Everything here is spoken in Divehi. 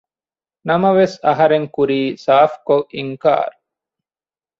ނަމަވެސް އަހަރެން ކުރީ ސާފު ކޮށް އިންކާރު